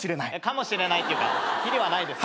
かもしれないっていうか切りはないです。